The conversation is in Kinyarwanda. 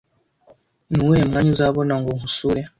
Nuwuhe mwanya uzabona ngo nkusure